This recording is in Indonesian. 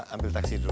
ambil taksi dulu